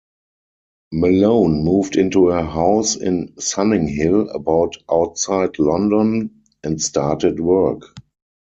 Malone moved into a house in Sunninghill, about outside London, and started work.